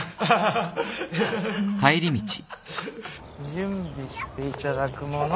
準備していただく物？